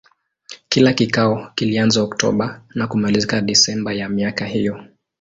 Kila kikao kilianza Oktoba na kumalizika Desemba ya miaka hiyo.